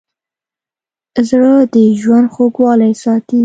زړه د ژوند خوږوالی ساتي.